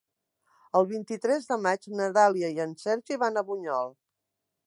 El vint-i-tres de maig na Dàlia i en Sergi van a Bunyol.